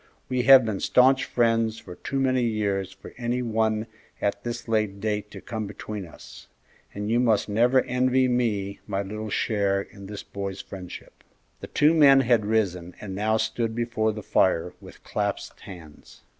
We have been stanch friends for too many years for any one at this late date to come between us; and you must never envy me my little share in the boy's friendship." The two men had risen and now stood before the fire with clasped hands.